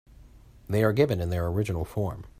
They are given in their original form.